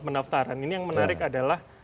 pendaftaran ini yang menarik adalah